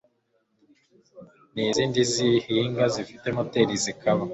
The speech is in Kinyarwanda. n izindi zihinga zifite moteri zikaba